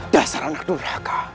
dasar anak durhaka